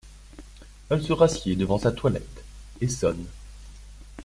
Elle se rassied devant sa toilette et sonne.